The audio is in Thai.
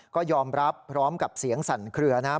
ก็ยอมรับพร้อมกับเสียงสั่นเคลือนะครับ